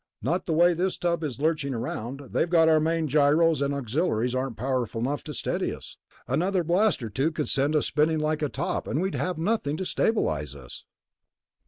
"Not the way this tub is lurching around. They've got our main gyros, and the auxilliaries aren't powerful enough to steady us. Another blast or two could send us spinning like a top, and we'd have nothing to stabilize us...."